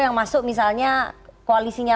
yang masuk misalnya koalisinya